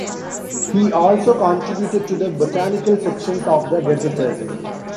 He also contributed to the botanical sections of the Gazetteers.